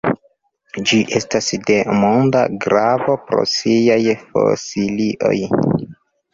Ĝi estas de monda gravo pro siaj fosilioj.